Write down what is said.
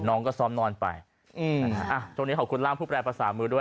น้องก็ซ้อมนอนไปอืมอ่ะช่วงนี้ขอบคุณร่างผู้แปรภาษามือด้วย